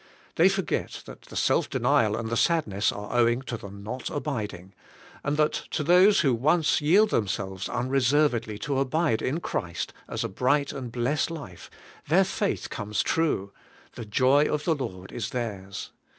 They forget that the self denial and the sadness are owing to the not abiding, and that to those who once yield themselves unre servedly to abide in Christ as a bright and blessed life, their faith comes true, — the joy of the Lord is theirs.